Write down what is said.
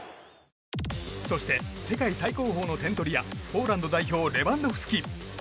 そして、世界最高峰の点取り屋ポーランド代表レバンドフスキ。